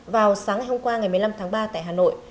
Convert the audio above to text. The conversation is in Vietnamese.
vào sáng ngày hôm qua ngày một mươi năm tháng ba tại hà nội